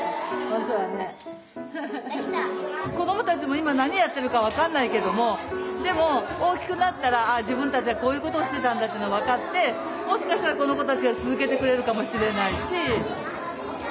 子どもたちも今何やってるか分かんないけどもでも大きくなったらああ自分たちはこういうことをしてたんだっていうのが分かってもしかしたらこの子たちが続けてくれるかもしれないし。